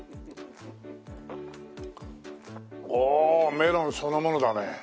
メロンそのものだね。